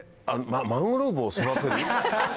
マングローブを育てる？」。